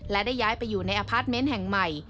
และได้ย้ายไปอยู่ในอพาร์ทเมนต์แห่งใหม่